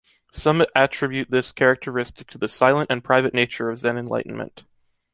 Some attribute this characteristic to the silent and private nature of Zen enlightenment.